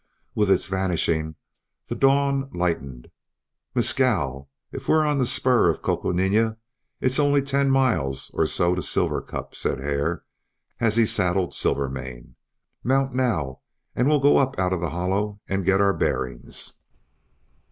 With its vanishing the dawn lightened. "Mescal, if we're on the spur of Coconina, it's only ten miles or so to Silver Cup," said Hare, as he saddled Silvermane. "Mount now and we'll go up out of the hollow and get our bearings."